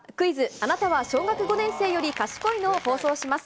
あなたは小学５年生より賢いの？を放送します。